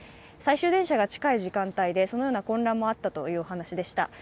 最終電車が近い時間帯でそのような混乱もあったという話でした。